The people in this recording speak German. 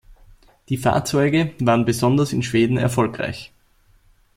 Die Fahrzeuge waren besonders in Schweden erfolgreich.